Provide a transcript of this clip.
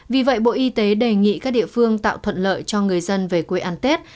vì vậy bộ y tế đề nghị các địa phương tạo thuận lợi cho người dân về quê ăn tết